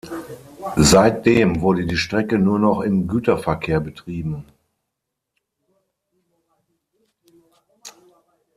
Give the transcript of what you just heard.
Seitdem wurde die Strecke nur noch im Güterverkehr betrieben.